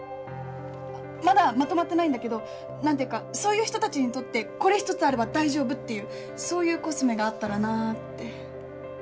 まだまとまってないんだけど何ていうかそういう人たちにとってこれ１つあれば大丈夫っていうそういうコスメがあったらなって。